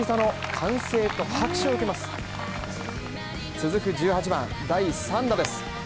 続く１８番第３打です。